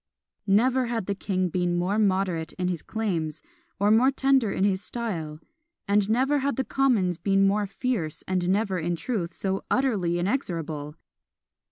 Never had the king been more moderate in his claims, or more tender in his style; and never had the commons been more fierce, and never, in truth, so utterly inexorable!